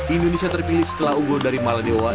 indonesia terpilih setelah unggul dari maladewa